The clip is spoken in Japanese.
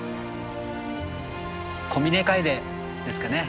コミネカエデですかね。